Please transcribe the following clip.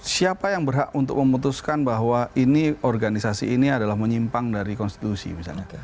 siapa yang berhak untuk memutuskan bahwa ini organisasi ini adalah menyimpang dari konstitusi misalnya